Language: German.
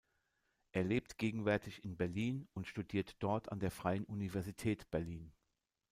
Er lebt gegenwärtig in Berlin und studiert dort an der Freien Universität Berlin.